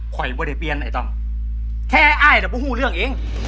ปลอยไม่ได้เปลี่ยนไอ้ต้องแค่อ้ายเดี๋ยวพูดเรื่องเอง